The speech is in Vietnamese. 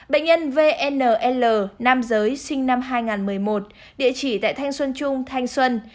bệnh nhân vnl nam giới sinh năm hai nghìn một mươi một địa chỉ tại thanh xuân trung thanh xuân